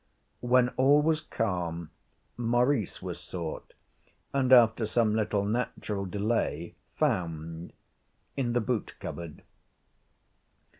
When all was calm Maurice was sought and, after some little natural delay, found in the boot cupboard.